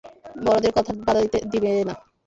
বড়দের কথায় বাঁধা দিবে না!